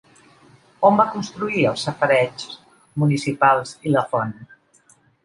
On va construir els safareigs municipals i la font?